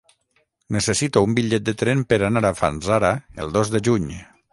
Necessito un bitllet de tren per anar a Fanzara el dos de juny.